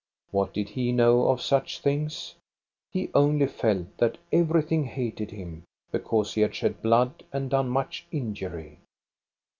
What did he know of such things? He only felt that everything hated him because he had shed blood and done much injury.